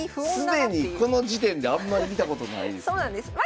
既にこの時点であんまり見たことないですね。